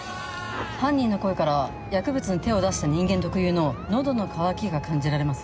犯人の声からは薬物に手を出した人間特有の喉の乾きが感じられます